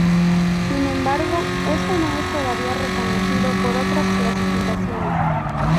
Sin embargo esto no es todavía reconocido por otras clasificaciones.